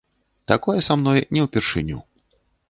Такое са мной не ўпершыню.